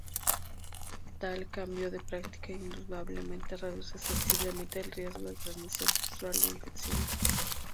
Tal cambio de práctica indudablemente reduce sensiblemente el riesgo de transmisión sexual de infecciones.